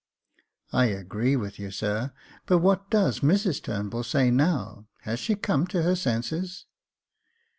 " I agree with you, sir ; but what does Mrs Turnbull say now — has she come to her senses